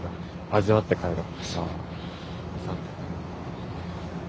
味わって帰ろう。